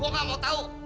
gue gak mau tahu